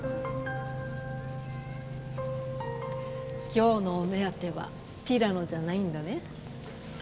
今日のお目当てはティラノじゃないんだね？